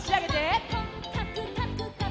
「こっかくかくかく」